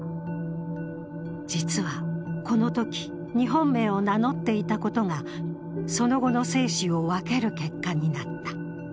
実はこのとき、日本名を名乗っていたことがその後の生死を分ける結果になった。